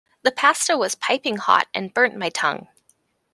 The pasta was piping hot and burnt my tongue.